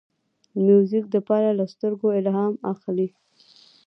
موزیک د یار له سترګو الهام اخلي.